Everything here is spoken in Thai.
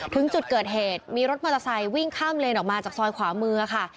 ถึงจุดเกิดเหตุมีรถมอเตอร์ไซค์วิ่งข้ามเลนออกมาจากซอยขวามือค่ะ